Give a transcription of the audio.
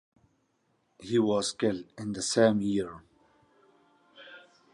He was killed in the same year.